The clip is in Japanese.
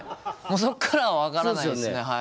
もうそっからは分からないっすね。